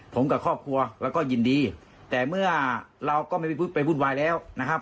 ผมกับครอบครัวแล้วก็ยินดีแต่เมื่อเราก็ไม่ไปวุ่นวายแล้วนะครับ